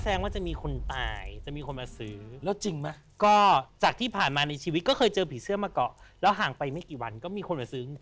แสดงว่าจะมีคนตายจะมีคนมาซื้อแล้วจริงไหมก็จากที่ผ่านมาในชีวิตก็เคยเจอผีเสื้อมาเกาะแล้วห่างไปไม่กี่วันก็มีคนมาซื้อ